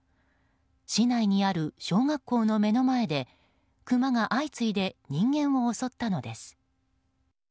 市内にある小学校の目の前でクマが相次いで人間を襲ったのです。